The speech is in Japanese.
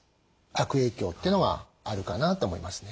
悪影響というのがあるかなと思いますね。